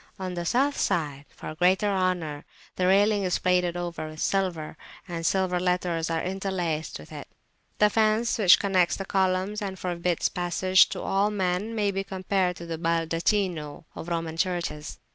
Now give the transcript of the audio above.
On the South side, for greater honour, the railing is plated over with silver, and silver letters are interlaced with it. This fence, which connects the columns and forbids passage to all men, may be compared to the baldacchino of Roman churches.